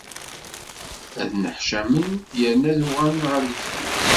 Ad nneḥcamen yerna ad uɣalen ɣer deffir.